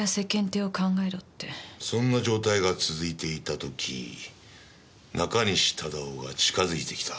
そんな状態が続いていた時中西忠雄が近づいてきた。